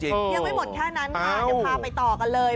ยังไม่หมดแค่นั้นค่ะเดี๋ยวพาไปต่อกันเลย